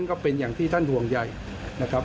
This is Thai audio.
ก็เป็นอย่างที่ท่านห่วงใหญ่นะครับ